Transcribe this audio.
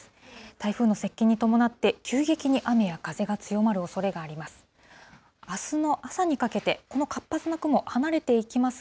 台風の接近に伴って、急激に雨や風が強まるおそれがあります。